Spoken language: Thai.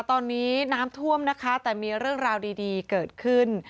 ตอนนี้น้ำท่วมนะคะแต่มีเรื่องราวดีเกิดขึ้น